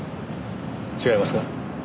違いますか？